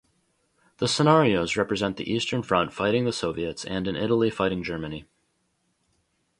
The scenarios represent the Eastern Front fighting the Soviets and in Italy fighting Germany.